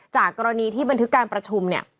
จากกรณีที่บันทึกการประชุมเนี่ย